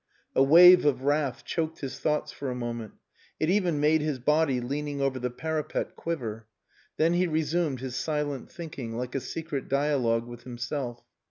A wave of wrath choked his thoughts for a moment. It even made his body leaning over the parapet quiver; then he resumed his silent thinking, like a secret dialogue with himself.